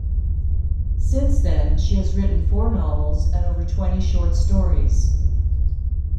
Since then, she has written four novels and over twenty short stories.